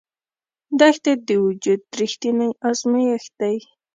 دښته د وجود رښتینی ازمېښت دی.